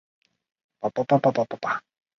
你得到我的身子也得不到我的心的